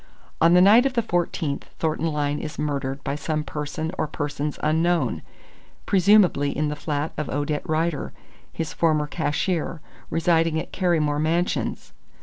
On the night of the fourteenth Thornton Lyne is murdered by some person or persons unknown, presumably in the flat of Odette Rider, his former cashier, residing at Carrymore Mansions.